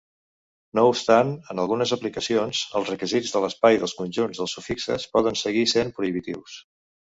No obstant, en algunes aplicacions, els requisits de l'espai dels conjunts de sufixes poden seguir sent prohibitius.